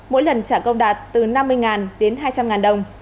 mỗi lần trả công đạt từ năm mươi đến hai trăm linh đồng